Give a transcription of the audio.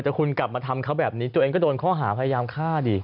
แต่คุณกลับมาทำเขาแบบนี้ตัวเองก็โดนข้อหาพยายามฆ่าดิ